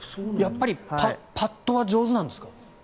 やっぱりパットは上手なんですか？